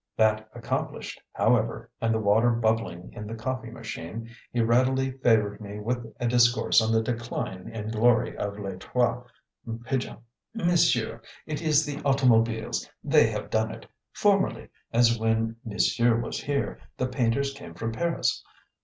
That accomplished, however, and the water bubbling in the coffee machine, he readily favoured me with a discourse on the decline in glory of Les Trois Pigeons. "Monsieur, it is the automobiles; they have done it. Formerly, as when monsieur was here, the painters came from Paris.